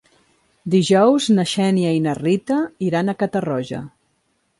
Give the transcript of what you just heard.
Dijous na Xènia i na Rita iran a Catarroja.